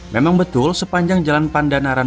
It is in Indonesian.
memang betul sepanjang jalan pandanaran